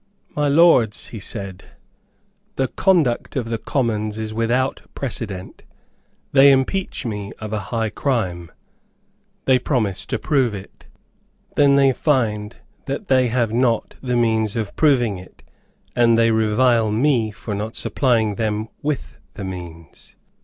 "My Lords," he said, "the conduct of the Commons is without precedent. They impeach me of a high crime; they promise to prove it; then they find that they have not the means of proving it; and they revile me for not supplying them with the means.